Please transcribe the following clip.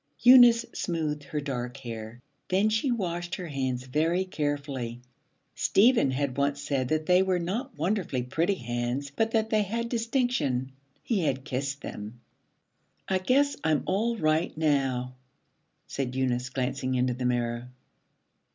Eunice smoothed her dark hair. Then she washed her hands very carefully. Stephen had said once that they were not wonderfully pretty hands, but that they had distinction. He had kissed them. 'I guess I'm all right now,' said Eunice, glancing into the mirror.